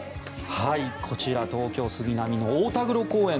こちら東京・杉並の大田黒公園